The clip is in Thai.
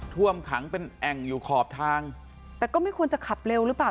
ท่วมขังเป็นแอ่งอยู่ขอบทางแต่ก็ไม่ควรจะขับเร็วหรือเปล่า